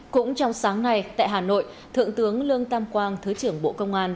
cũng trong sáng nay tại hà nội thượng tướng lương tam quang thứ trưởng bộ công an